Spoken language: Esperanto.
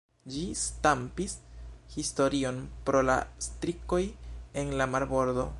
Ĝi stampis historion pro la strikoj en la Marbordo.